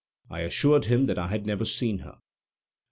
I assured him that I had never seen her.